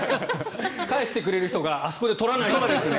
返してくれる人があそこで取らないと思います。